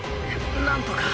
何とか。